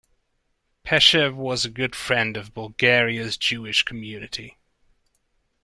Peshev was a good friend of Bulgaria's Jewish community.